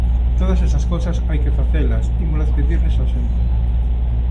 Todas esas cousas hai que facelas, ímolas pedir nesa axenda.